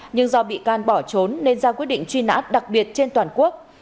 nhưng do bị can bỏ trốn nên ra quyết định truy nã đặc biệt trên toàn quốc